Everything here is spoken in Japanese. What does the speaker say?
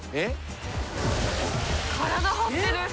体張ってる。